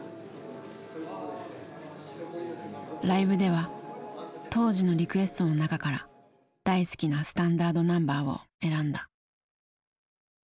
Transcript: ライブでは当時のリクエストの中から大好きなスタンダードナンバーを選んだ。